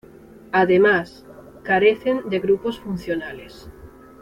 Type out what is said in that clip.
Además, carecen de grupos funcionales.